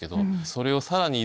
それをさらに。